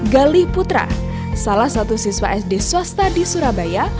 galih putra salah satu siswa sd swasta di surabaya